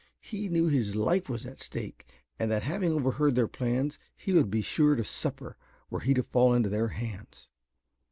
He knew his life was at stake and that having overheard their plans he would be sure to suffer were he to fall into their hands.